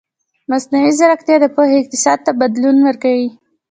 مصنوعي ځیرکتیا د پوهې اقتصاد ته بدلون ورکوي.